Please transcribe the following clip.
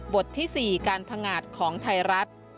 บทที่๔การพังอาจของไทรรัฐ